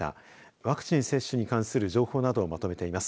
ワクチン接種に関する情報などをまとめています。